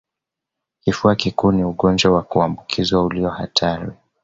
Kifua kikuu ni ugonjwa wa kuambukizwa ulio hatari